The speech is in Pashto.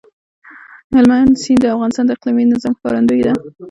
هلمند سیند د افغانستان د اقلیمي نظام ښکارندوی ده.